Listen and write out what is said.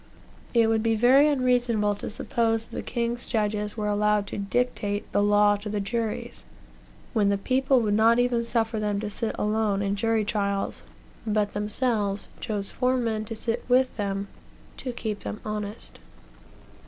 It would be very unreasonable to suppose that the king's judges were allowed to dictate the law to the juries, when the people would not even suffer them to sit alone in jury trials, but themselves chose four men to sit with them, to keep them honest.